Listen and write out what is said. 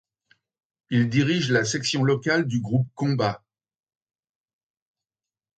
Il dirige la section locale du groupe Combat.